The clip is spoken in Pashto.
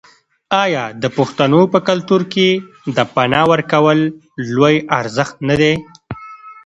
آیا د پښتنو په کلتور کې د پنا ورکول لوی ارزښت نه دی؟